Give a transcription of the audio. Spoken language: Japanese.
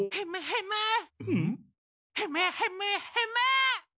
ヘムヘムヘム。